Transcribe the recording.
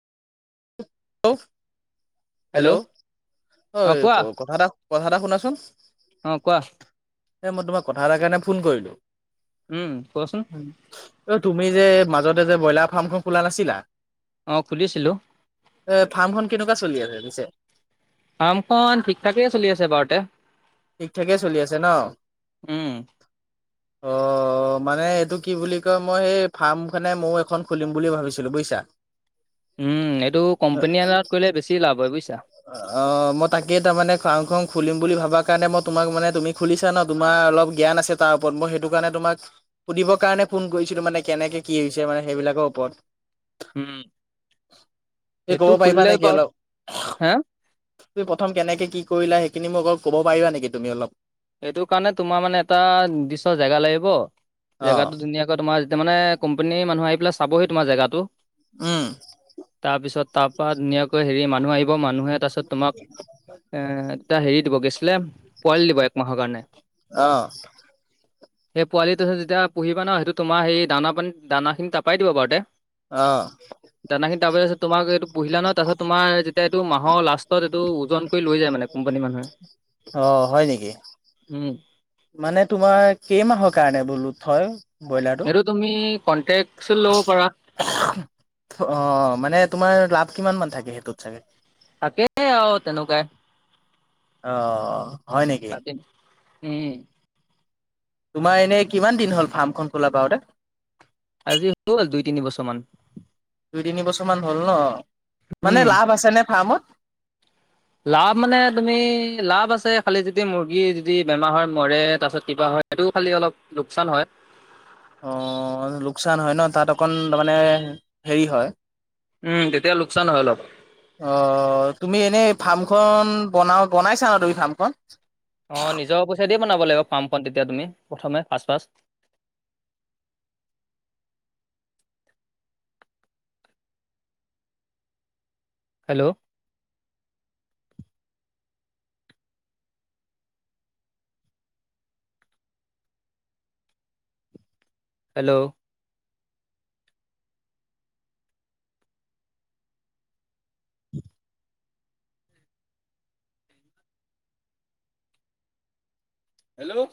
Of hello, ' অ অই কোৱা কথা এটা কথা এটা শুনাচোন। অ কোৱা? এ মই তোমাৰ কথা এটা কাৰণে ফোন কৰিলো। উম কোৱাচোন। অ তুমি যে মাজতে যে ব্ৰইলাৰ ফাৰ্মখন খোলা নাছিলা। অ খুলিছিলো এ ফাৰ্মখন কেনেকুৱা চলি আছে পিছে। ফাৰ্মখন ঠিক ঠাকেইে চলি আছে বাৰুতে। ঠিক ঠাকে চলি আছে ন? উম অহ অ মানে এইটো কি বুলি কয় মই সেই ফাৰ্ম খানে ময়ো এখন খুলিম বুলি ভাবিছিলো বুজিছা। উম এইটো কোম্পানী আন্দাৰত কৰিলে বেছি লাভ হয় বুজিছা। অ মই তাকে তাৰ মানে ফাৰ্ম খন খুলিম বুলি ভাবো ত কাৰণে মই তোমাক মানে তুমি খুলিছা ন তোমাৰ অলপ জ্ঞান আছে তাৰ ওপৰত, মই সেইটো কাৰণে তোমাক সুধিবৰ কাৰণে ফোন কৰিছিলো, মানে কেনেকে কি হৈছে মানে সেইবিলাকৰ ওপৰত। উম এই ক'ব এইটো পাৰিবা খুলিলে নেকি বাৰু অলপ, হে তুমি প্ৰথম কেনেকে কি কৰিলা, খিনি মোক অকল কব পাৰিবানিকী তুমি অলপ। এইটো কাৰণে তোমাৰ মানে এটা নিৰ্দিষ্ট জেগা লাগিব, অ', জেগাটো ধুনীয়াকৈ তোমাৰ তাৰমানে কোম্পানীৰ মানু্হ আহি পেলাই চাবহি তোমাৰ জেগাটো, উম তাৰপা ধুনীয়াকৈ হেৰি মানুহ আহিব, মানুহে তাৰপিছত তোমাক এটা হেৰি দিব গেছলেম। অহ সেই পোৱালিটো হেই যেতিয়া পুহিবা ন, সেইটো তোমাৰ সেই দানা পানীত দানা খিনি তাপাই দিবা বাৰু তে অহ তাৰপিছত তোমাক এইটো পুহিলা ন তাৰপছত তোমাৰ যেতিয়া এইটো মাহৰ লাষ্টত এইটো উজন কৰি লৈ যায় মানে কোম্পানী মানুহে। অ', হয় উম মানে তোমাৰ কেইমাহৰ কাৰণে বোলো থ এইটো তুমি কনটেক্ট লওপাৰা। অ মানে তোমাৰ লাভ কিমান মান থাকে সেইটোত চাগে? থাকে আহ তেনকাই। অ হয় নেকি? হম হয়। তোমাৰ এনেই কিমান দিন হ'ল ফাৰ্মখন খোলা বাৰু দে? আজি হ'ল দুই তিনি বছৰ মান। দুই তিনি বছৰমানান হ'ল ন? মানে উম লাভ আছে নে ফাৰ্মত? লাভ মানে তুমি লাভ আছে খালি যদি মুৰ্গী যদি বেমাৰ হয় মৰে তাৰপিছত কিবা হয় সেইটো খালি অলপ লোকচান হয়। অ লোকচান হয় ন তাত অকণ তাৰমানে হেৰি হয় উম তেতিয়া লোকচান হয় অলপ অ তুমি এনেই ফাৰ্মখন বনা বনাইছা ন তুমি ফাৰ্মখন? অঁ নিজৰ পইচা দিয়ে বনাব লাগিব ফাম খণ তেতিয়া তুমি প্ৰথমে ফাচ ফাচ। [inaudible] Hello hello hello